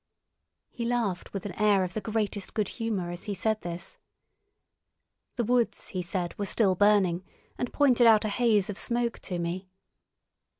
He laughed with an air of the greatest good humour as he said this. The woods, he said, were still burning, and pointed out a haze of smoke to me.